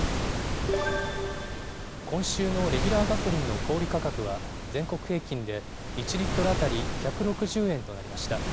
今週のレギュラーガソリンの小売り価格は、全国平均で１リットル当たり１６０円となりました。